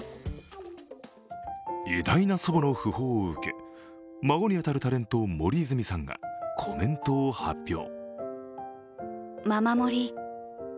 偉大な祖母の訃報を受け、孫に当たるタレント、森泉さんがコメントを発表。